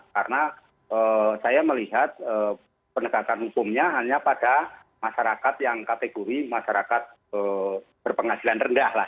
karena saya melihat penegakan hukumnya hanya pada masyarakat yang kategori masyarakat berpenghasilan rendah